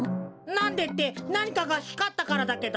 なんでってなにかがひかったからだけど。